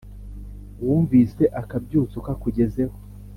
wumvise akabyutso ka kugezeho